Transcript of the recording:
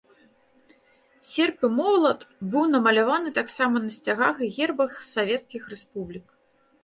Серп і молат быў намаляваны таксама на сцягах і гербах савецкіх рэспублік.